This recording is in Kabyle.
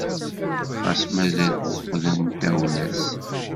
Xas mazal tuqqda n tawla-s.